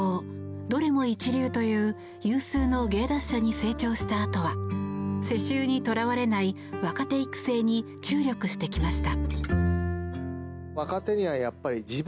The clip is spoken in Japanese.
どれも一流という有数の芸達者に成長したあとは世襲にとらわれない若手育成に注力してきました。